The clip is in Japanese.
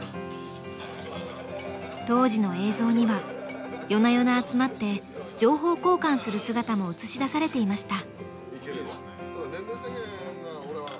当時の映像には夜な夜な集まって情報交換する姿も映し出されていました。